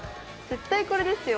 絶対これですよ。